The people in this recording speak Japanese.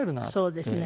そうですね。